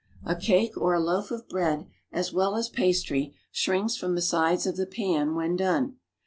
A cake or a loaf of bread, as well as pastry, shrinks from the sides of the pan, when done.